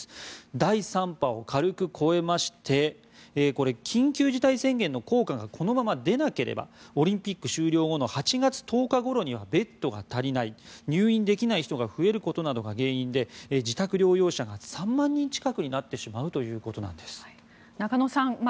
第３波を軽く超えまして緊急事態宣言の効果がこのまま出なければオリンピック終了後の８月１０日ごろにはベッドが足りない入院できない人が増えることなどが原因で、自宅療養者が３万人近くになってしまうということなんです。